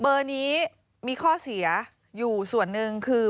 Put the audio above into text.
เบอร์นี้มีข้อเสียอยู่ส่วนหนึ่งคือ